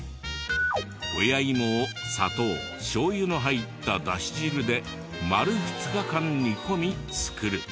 親芋を砂糖しょう油の入っただし汁で丸２日間煮込み作る。